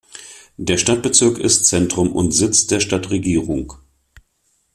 Der Stadtbezirk ist Zentrum und Sitz der Stadtregierung.